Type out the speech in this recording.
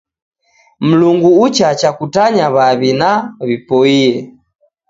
Mlungu uchacha kutanya w'aw'iw'I na w'ipoie.